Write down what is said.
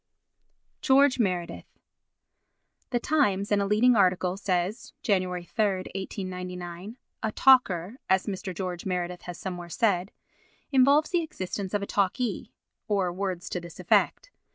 George Meredith The Times in a leading article says (Jany. 3, 1899) "a talker," as Mr. George Meredith has somewhere said, "involves the existence of a talkee," or words to this effect.